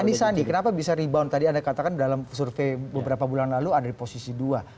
anies sandi kenapa bisa rebound tadi anda katakan dalam survei beberapa bulan lalu ada di posisi dua